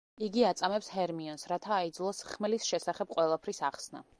იგი აწამებს ჰერმიონს, რათა აიძულოს ხმლის შესახებ ყველაფრის ახსნა.